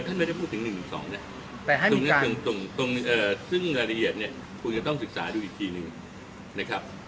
ท่านไม่ได้พูดถึงหนึ่งหรือสองซึ่งรายละเอียดควรจะต้องศึกษาดูอีกทีนึง